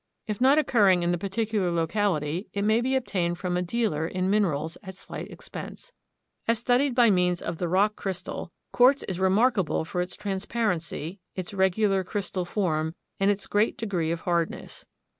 If not occurring in the particular locality it may be obtained from a dealer in minerals at slight expense. As studied by means of the rock crystal, quartz is remarkable for its transparency, its regular crystal form, and its great degree of hardness.